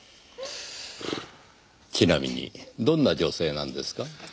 ちなみにどんな女性なんですか？